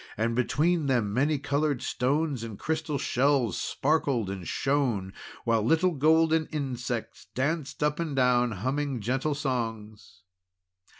And between them many coloured stones and crystal shells sparkled and shone. While little golden insects danced up and down humming gentle songs.